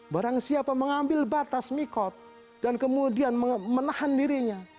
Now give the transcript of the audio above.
barang siapa mengambil batas mikot dan kemudian menahan dirinya